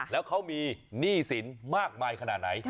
แล้วเขามีหนี้สินมากมายขนาดไหน